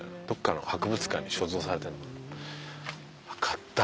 どこかの博物館に所蔵されてんのかな？